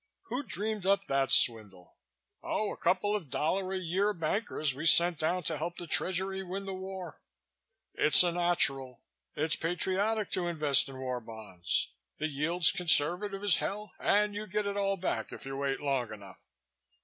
"Who dreamed up that swindle?" "Oh, a couple of dollar a year bankers we sent down to help the Treasury win the war. It's a natural. It's patriotic to invest in war bonds. The yield's conservative as hell and you get it all back if you wait long enough."